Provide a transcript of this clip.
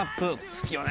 好きよね